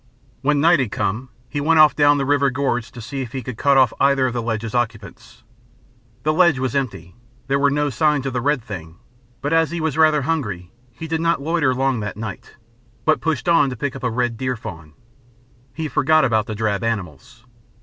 When night had come he went off down the river gorge to see if he could cut off either of the ledge's occupants. The ledge was empty, there were no signs of the red thing, but as he was rather hungry he did not loiter long that night, but pushed on to pick up a red deer fawn. He forgot about the drab animals.